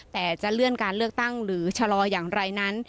แต่จะเลื่อนการเลือกตั้งหรือชะลออย่างไรนั้น